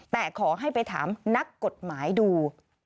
แต่ขอให้ไปถามนักกฎหมายดู